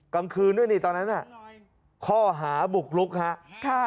กลางคืนด้วยตอนนั้นข้อหาบุกลุกครับ